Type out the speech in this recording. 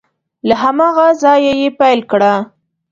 له هماغه ځایه یې پیل کړه